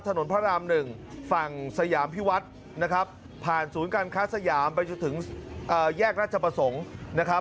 ถนนพระราม๑ฝั่งสยามพิวัฒน์นะครับผ่านศูนย์การค้าสยามไปจนถึงแยกราชประสงค์นะครับ